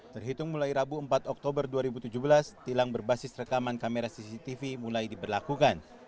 terhitung mulai rabu empat oktober dua ribu tujuh belas tilang berbasis rekaman kamera cctv mulai diberlakukan